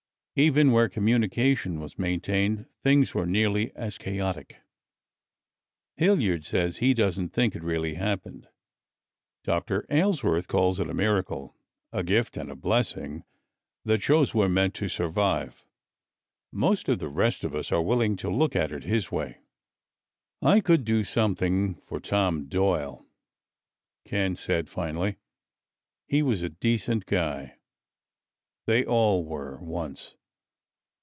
Even where communication was maintained things were nearly as chaotic. "Johnson says it was just plain, dumb luck. Hilliard says he doesn't think it really happened. Dr. Aylesworth calls it a miracle, a gift and a blessing that shows we're meant to survive. Most of the rest of us are willing to look at it his way." "I could do something for Tom Doyle," Ken said finally. "He was a decent guy. They all were, once.